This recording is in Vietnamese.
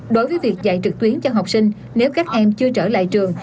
đối với việc dạy trực tuyến cho học sinh nếu các em chưa trở lại trường